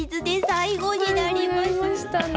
最後になりましたね。